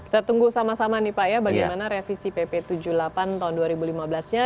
kita tunggu sama sama nih pak ya bagaimana revisi pp tujuh puluh delapan tahun dua ribu lima belas nya